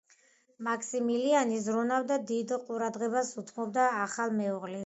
მაქსიმილიანი ზრუნავდა და დიდ ყურადღებას უთმობდა ახალ მეუღლეს.